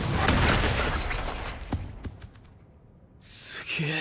すげえ！